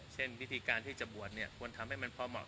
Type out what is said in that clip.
เช่นวิธีการที่จะบวชเนี่ยควรทำให้มันพอเหมาะ